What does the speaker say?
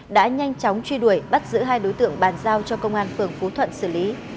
đã nhanh chóng truy đuổi bắt giữ hai đối tượng bàn giao cho công an phường phú thuận xử lý